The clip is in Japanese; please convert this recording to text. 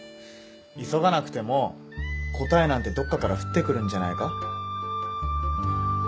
急がなくても答えなんてどっかから降ってくるんじゃないか？